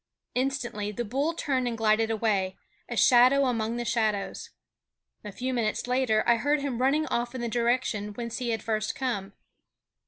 Instantly the bull turned and glided away, a shadow among the shadows. A few minutes later I heard him running off in the direction whence he had first come.